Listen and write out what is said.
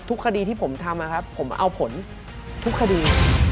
คดีที่ผมทำนะครับผมเอาผลทุกคดี